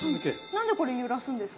何でこれ揺らすんですか？